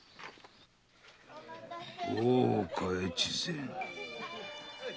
大岡越前か。